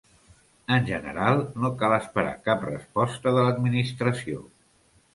En general, no cal esperar cap resposta de l'Administració.